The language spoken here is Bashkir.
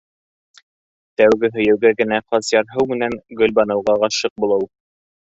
Тәүге һөйөүгә генә хас ярһыу менән Гөлбаныуға ғашиҡ булыу...